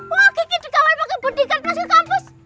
wah kiki dikawal pakai budingan masuk ke kampus